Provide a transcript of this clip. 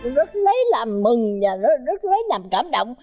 rất lấy làm mừng và rất lấy làm cảm động